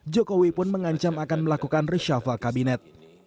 jokowi pun mengancam akan melakukan reshuffle kabinet